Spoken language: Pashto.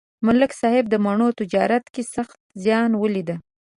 ملک صاحب د مڼو تجارت کې سخت زیان ولید